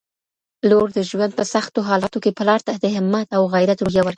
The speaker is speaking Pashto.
لور د ژوند په سختوحالاتو کي پلار ته د همت او غیرت روحیه ورکوي